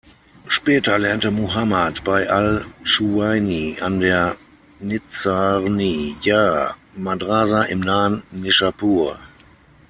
Später lernte Muhammad bei al-Dschuwainī an der Nizamiyya-Madrasa im nahen Nischapur.